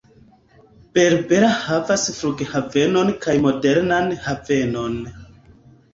Berbera havas flughavenon kaj modernan havenon.